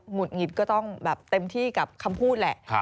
ุดหงิดก็ต้องแบบเต็มที่กับคำพูดแหละ